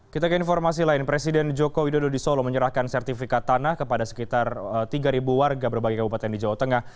kita ke informasi lain presiden joko widodo di solo menyerahkan sertifikat tanah kepada sekitar tiga warga berbagai kabupaten di jawa tengah